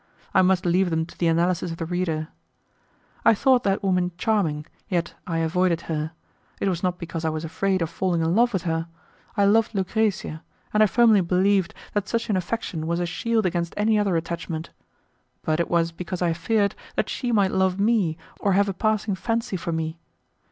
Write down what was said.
I must leave them to the analysis of the reader. I thought that woman charming, yet I avoided her; it was not because I was afraid of falling in love with her; I loved Lucrezia, and I firmly believed that such an affection was a shield against any other attachment, but it was because I feared that she might love me or have a passing fancy for me.